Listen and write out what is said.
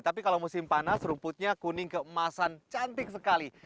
tapi kalau musim panas rumputnya kuning keemasan cantik sekali